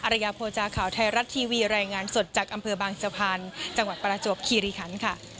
ระยะโภจาข่าวไทยรัฐทีวีรายงานสดจากอำเภอบางสะพานจังหวัดประจวบคีรีคันค่ะ